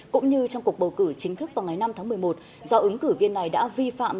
cũng như trong cuộc bầu cử chính thức vào ngày năm tháng một mươi một do ứng cử viên này đã vi phạm